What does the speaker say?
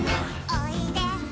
おいで。